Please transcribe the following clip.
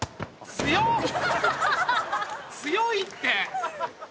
強いって。